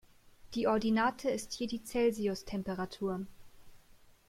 Die Ordinate ist hier die Celsius-Temperatur.